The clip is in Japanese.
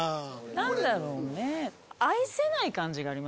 何だろうね。